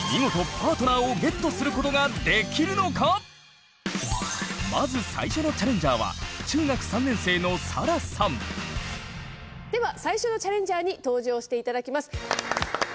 見事まず最初のチャレンジャーはでは最初のチャレンジャーに登場していただきます。